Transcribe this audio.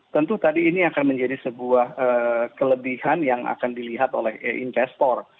tentu tadi ini akan menjadi sebuah kelebihan yang akan dilihat oleh investor